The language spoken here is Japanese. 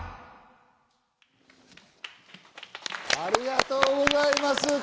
ありがとうございます。